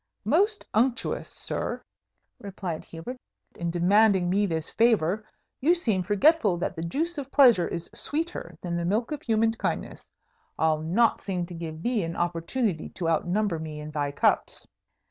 "Most unctuous sir," replied Hubert, "in demanding me this favour, you seem forgetful that the juice of Pleasure is sweeter than the milk of Human Kindness. I'll not sing to give thee an opportunity to outnumber me in thy cups."